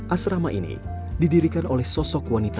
asrama ini didirikan oleh sosial media